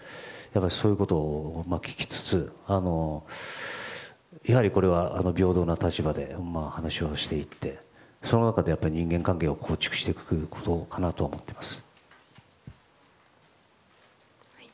そういうことを聞きつつやはりこれは平等な立場で話をしていってその中で、人間関係を構築していくことかなと思っています。